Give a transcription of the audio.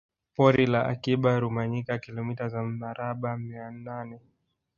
Pori la Akiba Rumanyika kilomita za mraba mia nane